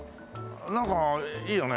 なんかいいよね。